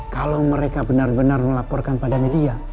kalau mereka benar benar melaporkan pada media